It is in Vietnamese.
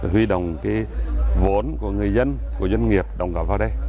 huy động vốn của người dân doanh nghiệp đồng góp vào đây